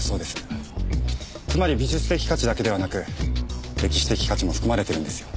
つまり美術的価値だけではなく歴史的価値も含まれてるんですよ。